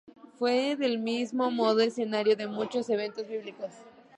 Fue, del mismo modo, escenario de muchos eventos bíblicos.